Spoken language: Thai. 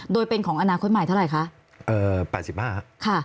โดยเป็นของอนาคตใหม่เท่าไหร่คะ๘๕ครับ